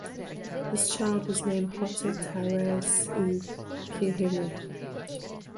This child was named Hottataraisukihime.